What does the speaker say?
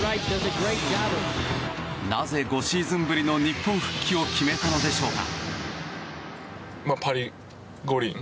なぜ５シーズンぶりの日本復帰を決めたのでしょうか。